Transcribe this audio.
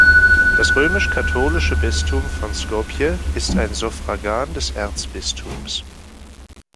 Das römisch-katholosche Bistum von Skopje ist ein Suffragan des Erzbistums.